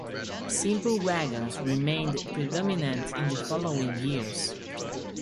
Simple wagons remained predominant in the following years.